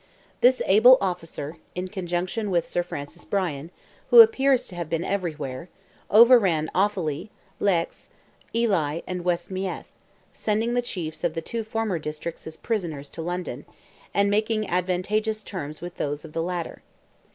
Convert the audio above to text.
This able officer, in conjunction with Sir Francis Bryan, who appears to have been everywhere, overran Offally, Leix, Ely and West Meath, sending the chiefs of the two former districts as prisoners to London, and making advantageous terms with those of the latter.